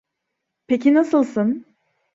Peki nasılsın?